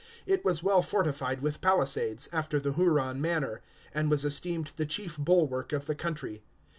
It was well fortified with palisades, after the Huron manner, and was esteemed the chief bulwark of the country.